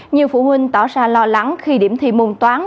nhiều phụ huynh tỏ ra lo lắng khi điểm thi môn toán